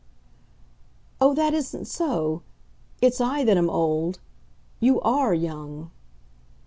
"Oh, that isn't so. It's I that am old. You ARE young."